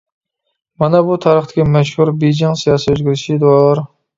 مانا بۇ تارىختىكى مەشھۇر «بېيجىڭ سىياسىي ئۆزگىرىشى» دۇر.